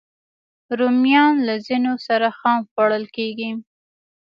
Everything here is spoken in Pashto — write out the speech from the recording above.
رومیان له ځینو سره خام خوړل کېږي